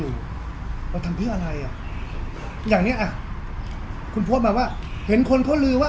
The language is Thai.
เราทำเพื่ออะไรอ่ะอย่างเนี้ยอ่ะคุณโพสต์มาว่าเห็นคนเขาลือว่า